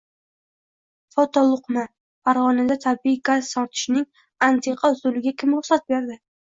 Fotoluqma: Farg‘onada tabiiy gaz tortishning "antiqa usuli"ga kim ruxsat berdi?